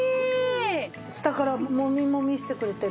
下からもみもみしてくれてる。